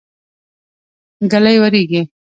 ږلۍ وريږي.